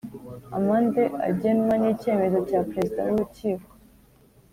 Amande agenwa n’icyemezo cya perezida w’urukiko